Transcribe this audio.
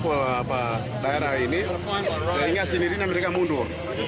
kalau daerah ini sehingga sendiri mereka mundur